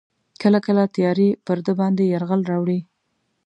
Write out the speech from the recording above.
کله کله تیارې پر ده باندې یرغل راوړي.